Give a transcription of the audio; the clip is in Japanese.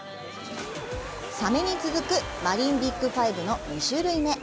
サメに続くマリンビッグ５の２種類目。